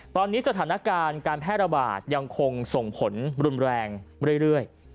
ตอนนี้สถานการณ์การแพร่ระบาดยังคงส่งผลรุนแรงเรื่อย